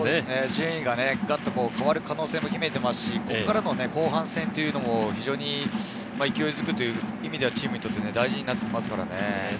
順位が変わる可能性も秘めていますし、ここからの後半戦も非常に勢いづく意味でチームにとって大事になってきますからね。